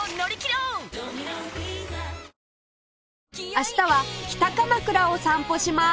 明日は北鎌倉を散歩します